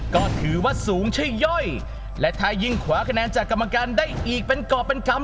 ก็ถือว่าสูงใช่ย่อยและถ้ายิ่งขวาคะแนนจากกรรมการได้อีกเป็นกรอบเป็นคำ